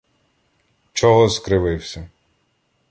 — Чого скривився?